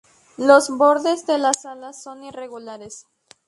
Los bordes de las alas son irregulares.